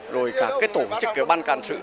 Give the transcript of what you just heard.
rồi các tổ chức ban cản sự